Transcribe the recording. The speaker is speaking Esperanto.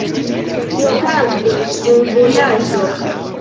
Tio okazis en vojaĝo.